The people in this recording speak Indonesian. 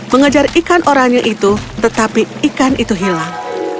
mengejar ikan oranye itu tetapi ikan itu hilang